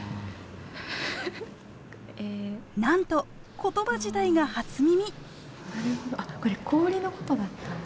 なんと言葉自体が初耳！